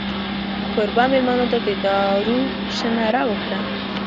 کوربه مېلمنو ته د دارو شه ناره وکړه.